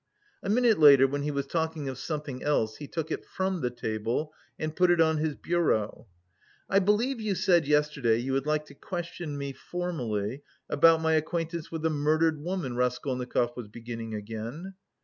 A minute later when he was talking of something else he took it from the table and put it on his bureau. "I believe you said yesterday you would like to question me... formally... about my acquaintance with the murdered woman?" Raskolnikov was beginning again.